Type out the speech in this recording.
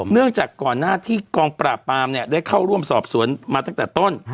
เนื่องจากก่อนหน้าที่กองปราบปรามเนี่ยได้เข้าร่วมสอบสวนมาตั้งแต่ต้น